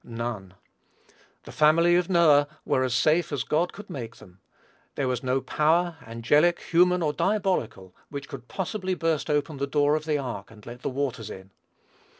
None. The family of Noah were as safe as God could make them. There was no power, angelic, human or diabolical, which could possibly burst open the door of the ark, and let the waters in.